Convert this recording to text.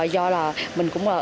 do là mình cũng là